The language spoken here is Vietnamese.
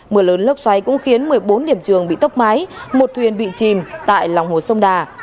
mưa lớn lốc xoáy cũng khiến một mươi bốn điểm trường bị tốc mái một thuyền bị chìm tại lòng hồ sông đà